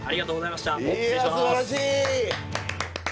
いやすばらしい！